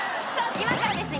今からですね